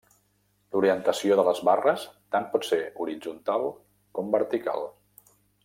L'orientació de les barres tant pot ser horitzontal com vertical.